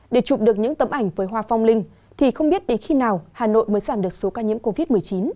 để chụp được những tấm ảnh với hoa phong linh thì không biết đến khi nào hà nội mới giảm được số ca nhiễm covid một mươi chín